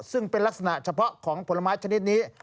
ซึ่งเป็นลักษณะเฉพาะของผลไม้ชนิดนี้